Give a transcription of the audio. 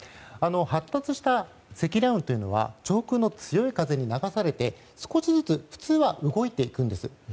発達した積乱雲というのは上空の強い風に流されて少しずつ普通は動いていくんです。